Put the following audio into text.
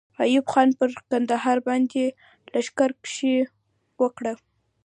ایوب خان پر کندهار باندې لښکر کشي وکړه.